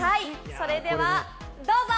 それではどうぞ。